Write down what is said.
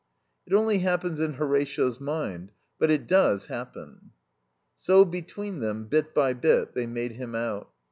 "It only happens in Horatio's mind. But it does happen." So, between them, bit by bit, they made him out.